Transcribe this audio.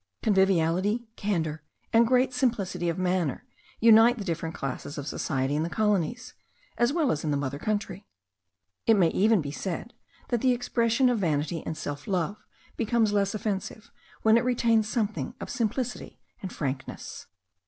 Conviviality, candour, and great simplicity of manner, unite the different classes of society in the colonies, as well as in the mother country. It may even be said, that the expression of vanity and self love becomes less offensive, when it retains something of simplicity and frankness.